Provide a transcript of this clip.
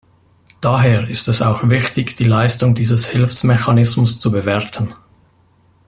Daher ist es auch wichtig, die Leistung dieses Hilfsmechanismus zu bewerten.